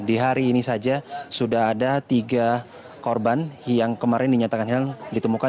di hari ini saja sudah ada tiga korban yang kemarin dinyatakan ditemukan